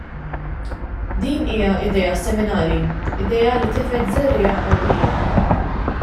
Din hija idea seminali, idea li tefgħet żerriegħa qawwija.